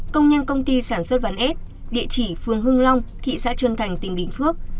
công nhân công ty sản xuất ván ép địa chỉ phường hưng long thị xã trân thành tỉnh bình phước